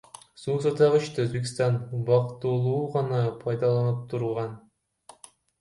Суу сактагычты Өзбекстан убактылуу гана пайдаланып турган.